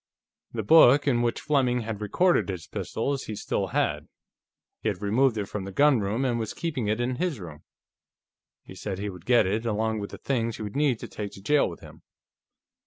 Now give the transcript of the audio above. The book in which Fleming had recorded his pistols he still had; he had removed it from the gunroom and was keeping it in his room. He said he would get it, along with the things he would need to take to jail with him.